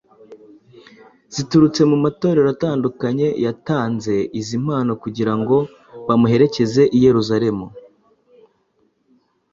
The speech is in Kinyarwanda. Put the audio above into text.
ziturutse mu matorero atandukanye yatanze izi mpano kugira ngo bamuherekeze i Yerusalemu.